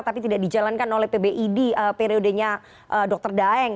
tapi tidak dijalankan oleh pbid periodenya dr daeng